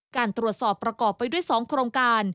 การตรวจสอบประกอบไปด้วย๒โครงการ